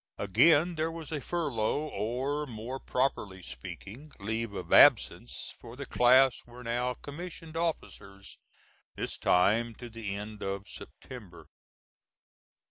Again there was a furlough or, more properly speaking, leave of absence for the class were now commissioned officers this time to the end of September.